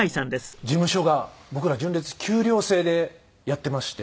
事務所が僕ら純烈給料制でやってまして。